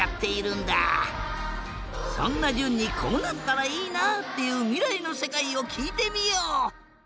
そんなじゅんにこうなったらいいなっていうみらいのせかいをきいてみよう。